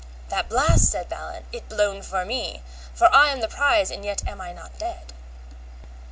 That blast, said Balin, is blown for me, for I am the prize and yet am I not dead.